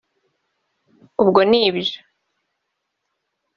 ubwo nibyo